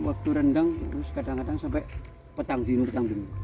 waktu rendang kadang kadang sampai petang dino petang tunggi